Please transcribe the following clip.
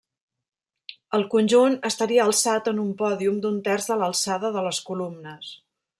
El conjunt estaria alçat en un pòdium d'un terç de l'alçada de les columnes.